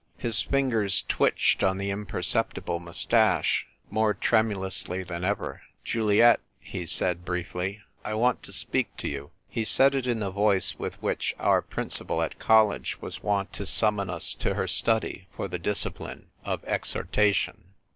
His fingers twitched on the imperceptible moustache more tremu lously than ever. " Juliet," he said, briefly, " I want to speak to you." He said it in the voice with which our Principal at College was wont to summon us to her study for the discipline of exhortation.